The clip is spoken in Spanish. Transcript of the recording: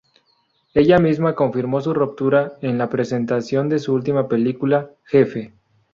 Ella misma confirmó su ruptura en la presentación de su última película "Jefe".